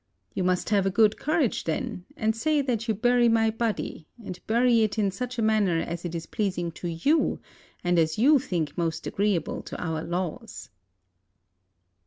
You must have a good courage then, and say that you bury my body, and bury it in such a manner as is pleas ing to you and as you think most agreeable to our laws."